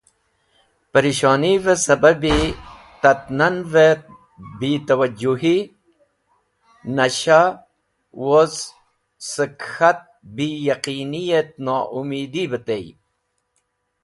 Parishonive sababi tat-nanve bi twajjuhi; Nasha; woz sẽk k̃hat bi Yaqini et noumidi bẽ tey.